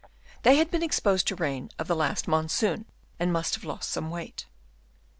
They had been exposed to the rain of the last monsoon, and must have lost some weight (10.)